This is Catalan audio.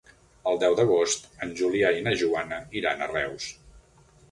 El deu d'agost en Julià i na Joana iran a Reus.